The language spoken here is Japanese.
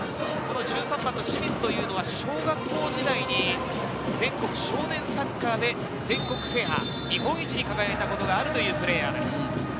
清水というのは小学校時代に全国少年サッカーで全国制覇、日本一に輝いたことがあるというプレーヤーです。